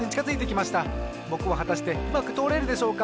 ぼくははたしてうまくとおれるでしょうか。